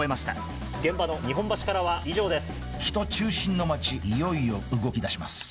現場の日本橋からは以上です。